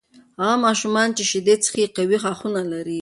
هغه ماشومان چې شیدې څښي، قوي غاښونه لري.